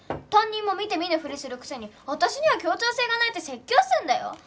担任も見て見ぬふりするくせに私には協調性がないって説教すんだよ？